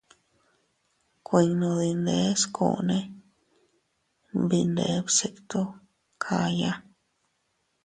Kuinno dindeskunne nbindee bsittu kaya.